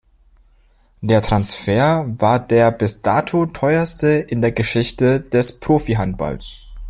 Der Transfer war der bis dato teuerste in der Geschichte des Profi-Handballs.